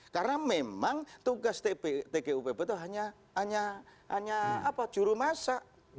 karena memang tugas tgpp itu hanya jurumasa